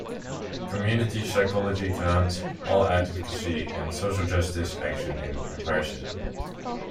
Community psychology grounds all advocacy and social justice action in empiricism.